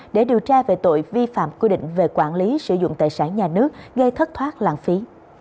để điều tra về tội vi phạm quy định về quản lý sử dụng tài sản nhà nước gây thất thoát lãng phí